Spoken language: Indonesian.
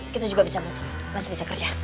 kita juga masih bisa kerja